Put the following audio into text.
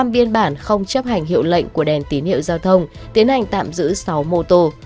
một mươi biên bản không chấp hành hiệu lệnh của đèn tín hiệu giao thông tiến hành tạm giữ sáu mô tô